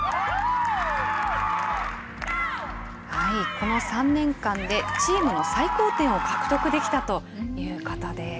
この３年間で、チームの最高点を獲得できたということです。